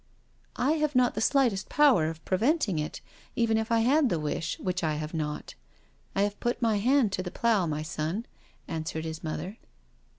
" I have not the slightest power of preventing it, even had I the wish, which I have not. I have put my hand to the plough, my son," answered his mother.